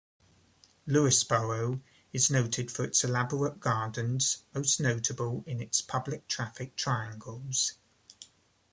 Lewisboro is noted for its elaborate gardens, most notable in its public traffic triangles.